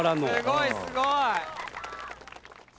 すごいすごい。